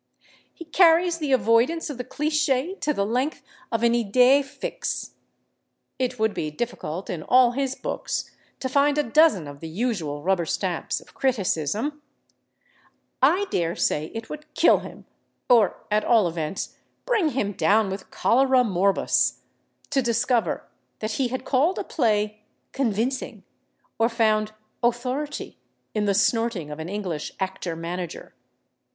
He carries the avoidance of the cliché to the length of an idée fixe. It would be difficult, in all his books, to find a dozen of the usual rubber stamps of criticism; I daresay it would kill him, or, at all events, bring him down with cholera morbus, to discover that he had called a play "convincing" or found "authority" in the snorting of an English actor manager.